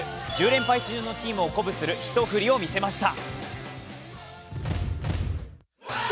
１０連敗中のチームを鼓舞する一振りを見せました。